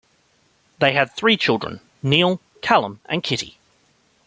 They had three children: Neill, Calum, and Kitty.